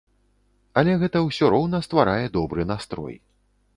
Але гэта ўсё роўна стварае добры настрой.